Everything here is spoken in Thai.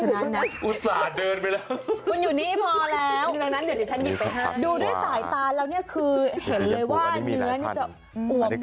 ดูด้วยสายตาเรานี่คือเห็นเลยว่าเนื้อจะอุ่มอิ่งใหญ่มาก